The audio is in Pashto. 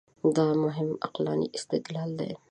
دا مهم عقلاني استدلال دی.